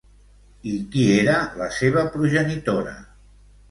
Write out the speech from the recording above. I qui era la seva progenitora?